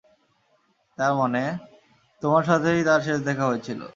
তারমানে তোমার সাথেই তার শেষ দেখা হয়েছিল।